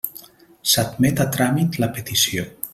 S'admet a tràmit la petició.